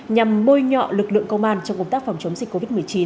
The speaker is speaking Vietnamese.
nhằm bôi nhọ lực lượng công an trong công tác phòng chống dịch covid một mươi chín